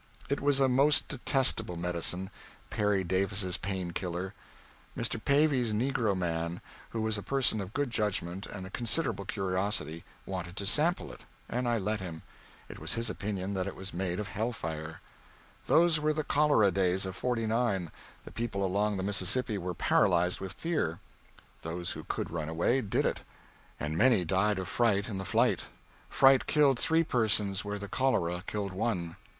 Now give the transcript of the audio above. It was a most detestable medicine, Perry Davis's Pain Killer. Mr. Pavey's negro man, who was a person of good judgment and considerable curiosity, wanted to sample it, and I let him. It was his opinion that it was made of hell fire. Those were the cholera days of '49. The people along the Mississippi were paralyzed with fright. Those who could run away, did it. And many died of fright in the flight. Fright killed three persons where the cholera killed one.